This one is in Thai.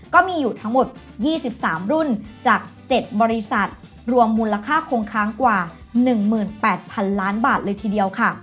ก็มีอยู่ทั้งหมด๒๓รุ่นจาก๗บริษัทรวมมูลค่าคงค้างกว่า๑๘๐๐๐ล้านบาทเลยทีเดียวค่ะ